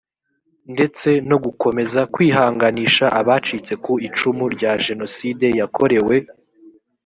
ndetse no gukomeza kwihanganisha abacitse ku icumu rya jenoside yakorewe